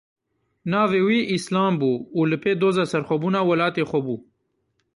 Navê wî Îslam bû û li pê doza serxwebûna welatê xwe bû.